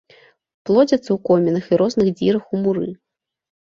Плодзяцца ў комінах і розных дзірах у муры.